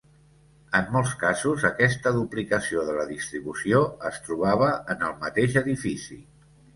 En molts casos, aquesta duplicació de la distribució es trobava en el mateix edifici.